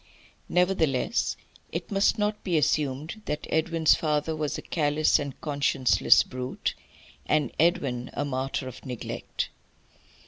Nevertheless it must not be assumed that Edwin's father was a callous and conscienceless brute, and Edwin a martyr of neglect.